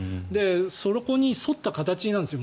そこに沿った形なんですよ